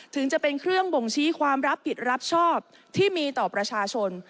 ถึงจะเป็นเครื่องบ่งชี้ความรับผิดรับชอบที่มีต่อประชาชน